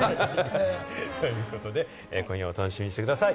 ということで今夜お楽しみにしてください。